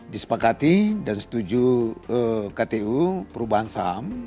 disepakati dan setuju kpu perubahan saham